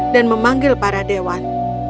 dan memanggil para dewan